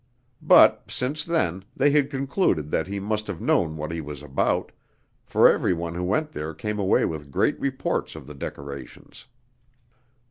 But, since then, they had concluded that he must have known what he was about, for everyone who went there came away with great reports of the decorations.